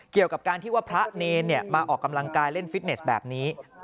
เกี่ยวกับการที่ว่าพระเนรมาออกกำลังกายเล่นฟิตเนสแบบนี้